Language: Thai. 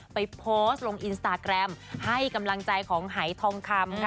ไปโพสต์ลงอินสตาแกรมให้กำลังใจของหายทองคำค่ะ